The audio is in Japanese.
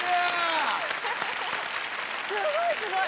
すごいすごい！